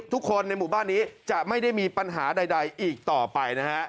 ทุกคนในหมู่บ้านนี้จะไม่ได้มีปัญหาใดอีกต่อไปนะฮะ